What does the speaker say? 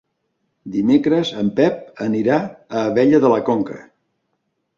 Dimecres en Pep anirà a Abella de la Conca.